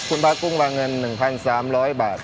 คุณพระกุ้งวางเงิน๑๓๐๐บาท